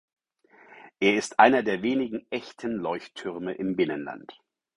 Er ist einer der wenigen echten Leuchttürme im Binnenland.